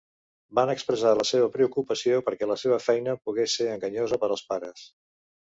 Van expressar la seva preocupació perquè la seva feina pogués ser enganyosa per als pares.